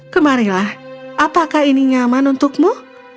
kemarilah apakah ini nyaman untukmu